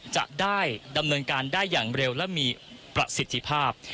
จะได้ดำเนินการได้อย่างเร็วและมีประสิทธิภาพ